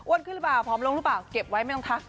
ขึ้นหรือเปล่าผอมลงหรือเปล่าเก็บไว้ไม่ต้องทัก